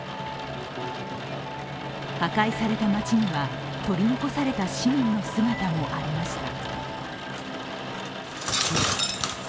破壊された街には取りのこされた市民の姿もありました。